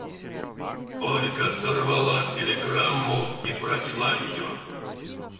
Ольга сорвала телеграмму и прочла ее.